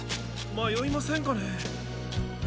まよいませんかね？